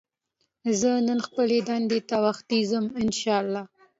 زه نن خپلې دندې ته وختي ځم ان شاءالله